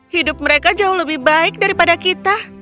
hidup mereka jauh lebih baik daripada kita